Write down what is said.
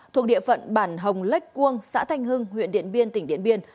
thuộc địa phận bản hồng lách quông xã thanh hưng huyện điện biên tỉnh điện biên